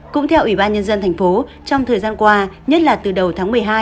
cũng theo ủy ban nhân dân tp trong thời gian qua nhất là từ đầu tháng một mươi hai